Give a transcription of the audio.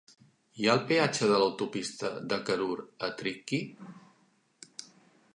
Hi ha el peatge de l'autopista de Karur a Tricky.